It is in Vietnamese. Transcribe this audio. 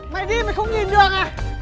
mày đi mày không nhìn được à